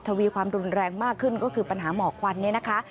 ทวีความรุนแรงมากขึ้นก็คือปัญหาหมอกควันเนี่ยนะคะ